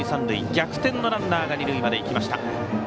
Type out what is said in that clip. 逆転のランナーが二塁まで行きました。